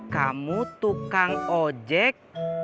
kamu tukang ojek